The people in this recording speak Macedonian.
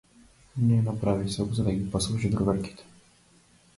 Нена прави сок за да ги послужи другарките.